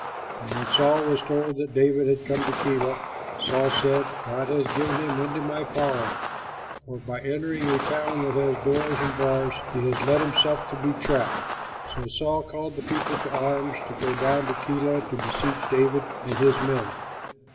And when Saul was told that David had come to Keilah, Saul said, "God has given him into my power, for by entering a town that has doors and bars he has let himself be trapped." So Saul called all the people to arms to go down to Keilah to besiege David and his men.